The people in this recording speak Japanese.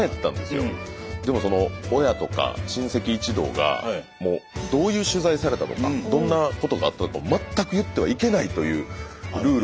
でも親とか親戚一同がもうどういう取材されたとかどんな事があったとか全く言ってはいけないというルールがあるみたいで。